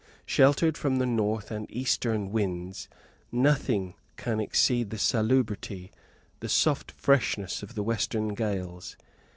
Sheltered from the north and eastern winds, nothing can exceed the salubrity, the soft freshness of the western gales.